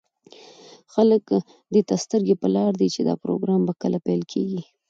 او خلك دېته سترگې په لار دي، چې دا پروگرام به كله پيل كېږي.